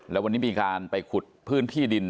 แล้ววันนี้มีการไปขุดพื้นที่ดิน